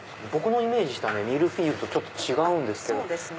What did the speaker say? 僕のイメージしたミルフィーユとちょっと違うんですけど。